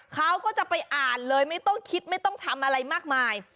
เขาก็จะไปอ่านเลยไม่ต้องคิดไม่ต้องทำอะไรมากมาย